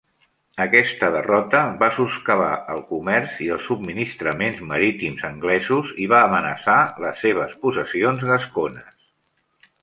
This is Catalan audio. Aquesta derrota va soscavar el comerç i els subministraments marítims anglesos i va amenaçar les seves possessions gascones.